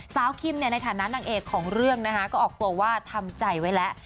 คิมในฐานะนางเอกของเรื่องนะคะก็ออกตัวว่าทำใจไว้แล้ว